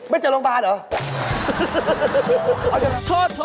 ไม่เจอโรงพยาบาลเหรอ